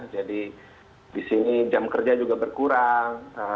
jadi di sini jam kerja juga berkurang